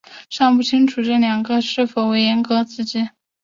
尚不清楚这两个是否为严格子集。